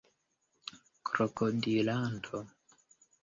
krokodilanto